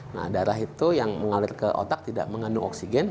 nah darah itu yang mengalir ke otak tidak mengandung oksigen